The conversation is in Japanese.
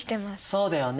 そうだよね。